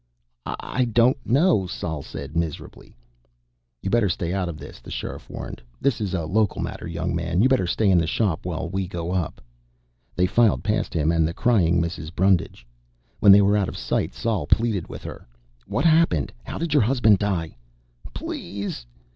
"I don't know," Sol said miserably. "You better stay out of this," the Sheriff warned. "This is a local matter, young man. You better stay in the shop while we go up." They filed past him and the crying Mrs. Brundage. When they were out of sight, Sol pleaded with her. "What happened? How did your husband die?" "Please